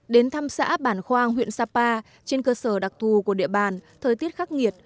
đến thăm xã bản khoang huyện sapa trên cơ sở đặc thù của địa bàn thời tiết khắc nghiệt